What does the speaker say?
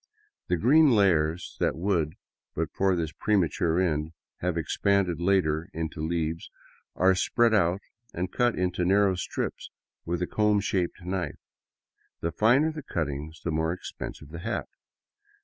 The green layers that would, but for this premature end, have expanded later into leaves, are spread out and cut into narrow strips with a comb shaped knife. The finer the cut ting, the more expensive the hat.